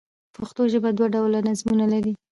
پښتو ژبه دوه ډوله نظمونه لري.